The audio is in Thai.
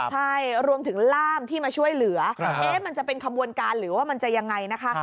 ใช่รวมถึงล่ามที่มาช่วยเหลือมันจะเป็นขบวนการหรือว่ามันจะยังไงนะคะ